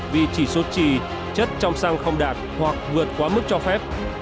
vì chỉ số trì chất trong xăng không đạt hoặc vượt quá mức cho phép